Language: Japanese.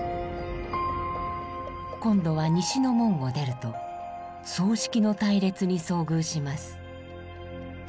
今度は西の門を出ると葬式の隊列に遭遇します。